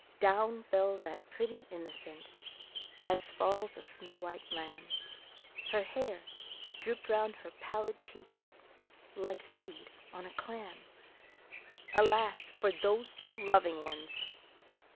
Down fell that pretty innocent, as falls a snow white lamb, Her hair drooped round her pallid cheeks, like sea weed on a clam. Alas for those two loving ones!